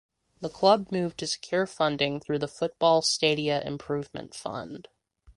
The club moved to secure funding through The Football Stadia Improvement Fund.